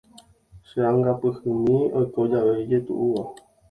Che'angapyhymi oiko jave ijetu'úva.